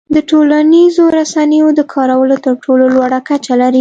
د ټولنیزو رسنیو د کارولو تر ټولو لوړه کچه لري.